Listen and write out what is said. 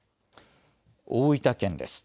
大分県です。